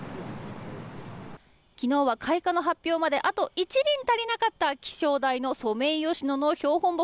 昨日は、開花の発表まであと１輪足りなかった気象台のソメイヨシノの標本木。